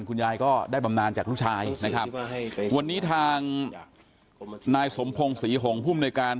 คุณยายก็ได้บำนานจากลูกชายนะครับวันนี้ทางนายสมพงศรีหงภูมิในการ